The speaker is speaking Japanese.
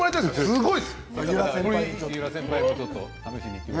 すごい。